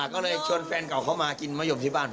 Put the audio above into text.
ก็เลยชวนแฟนเก่าเข้ามากินมะยมที่บ้าน